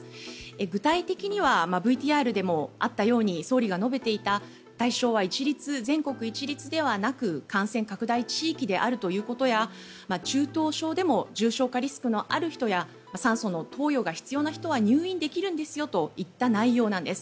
具体的にはＶＴＲでもあったように総理が述べていた対象は全国一律ではなく感染拡大地域であるということや中等症でも重症化リスクのある人や酸素の投与が必要な人は入院できるんですよといった内容なんです。